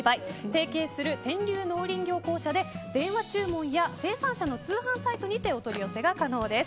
提携する天龍農林業公社で電話注文や生産者の通販サイトにてお取り寄せが可能です。